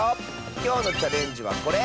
きょうのチャレンジはこれ！